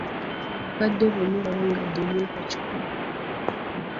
Abakadde bano bawangadde emyaka kikumi.